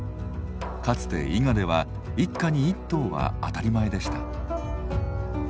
かつて伊賀では一家に一頭は当たり前でした。